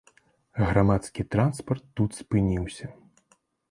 Грамадскі транспарт тут спыніўся.